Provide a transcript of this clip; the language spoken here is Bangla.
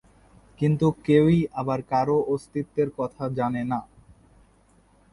কিন্তু কেউই আবার কারও অস্তিত্বের কথা জানে না।